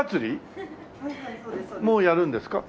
もうやるんですか？